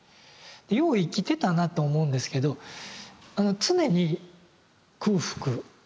よう生きてたなと思うんですけどあの常に空腹。